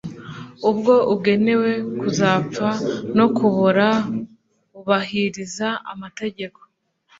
ubwo ugenewe kuzapfa no kubora, ubahiriza amategeko